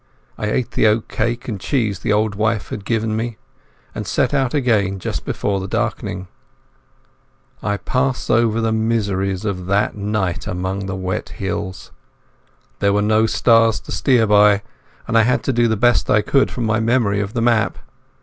I ate the oatcake and cheese the old wife had given me and set out again just before the darkening. I pass over the miseries of that night among the wet hills. There were no stars to steer by, and I had to do the best I could from my memory of the map.